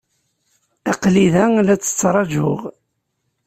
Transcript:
Aql-i da la tt-ttṛajuɣ.